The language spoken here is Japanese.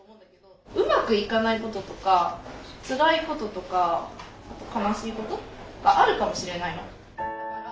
うまくいかないこととかつらいこととか悲しいことがあるかもしれないの。